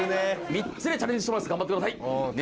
３つでチャレンジしてます頑張ってください。